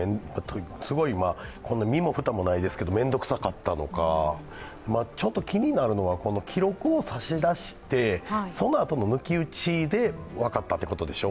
すごい、みもふたもないですけど、面倒くさかったのか、ちょっと気になるのは、記録を差し出して、そのあとの抜き打ちで分かったってことでしょ。